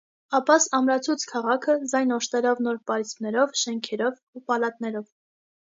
Աբբաս ամրացուց քաղաքը, զայն օժտելով նոր պարիսպներով, շէնքերով ու պալատներով։